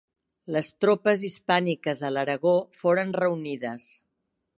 Les tropes hispàniques a l'Aragó foren reunides.